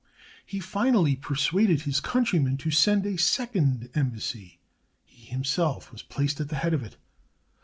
He finally persuaded his countrymen to send a second embassy: he himself was placed at the head of it.